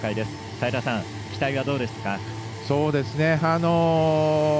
齋田さん、期待はどうですか？